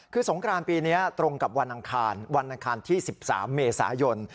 คือสงกรานปีนี้ตรงกับวันอังคารวันอังคารที่๑๓เมษายน